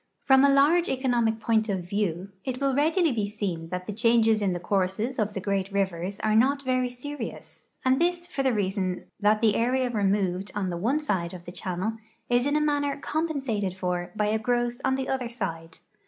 From a large economic point of view, it will readil}^ be seen that the changes in the courses of the great rivers are not very serious, and this for the reason that the area removed on the one side of the channel is in a manner compensated for b}'' a growth on the other side.